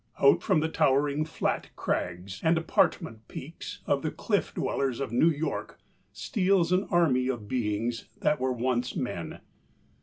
Out from the towering flat crags and apartment peaks of the cliff dwellers of New York steals an army of beings that were once men.